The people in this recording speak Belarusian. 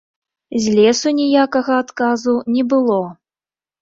З лесу ніякага адказу не было.